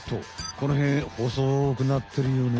このへんほそくなってるよね？